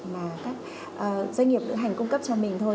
mà các doanh nghiệp lựa hành cung cấp cho mình thôi